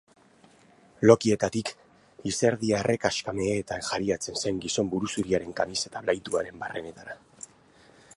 Lokietatik, izerdia errekaxka meheetan jariatzen zen gizon buruzuriaren kamiseta blaituaren barrenetara.